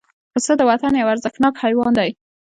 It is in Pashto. پسه د وطن یو ارزښتناک حیوان دی.